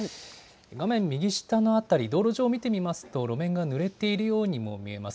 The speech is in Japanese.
画面右下の辺り、道路上を見てみますと、路面がぬれているようにも見えます。